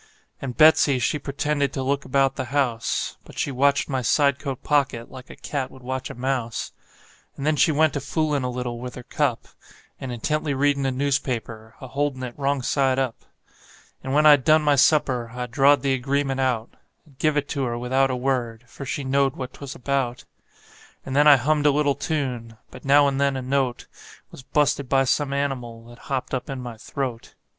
And Betsey, she pretended to look about the house, But she watched my side coat pocket like a cat would watch a mouse: And then she went to foolin' a little with her cup, And intently readin' a newspaper, a holdin' it wrong side up. "AND INTENTLY READIN' A NEWSPAPER, A HOLDIN' IT WRONG SIDE UP." And when I'd done my supper I drawed the agreement out, And give it to her without a word, for she knowed what 'twas about; And then I hummed a little tune, but now and then a note Was bu'sted by some animal that hopped up in my throat.